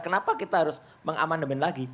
kenapa kita harus mengamandemen lagi